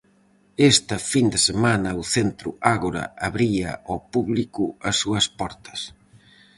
Esta fin de semana o centro Ágora abría ao público as súas portas.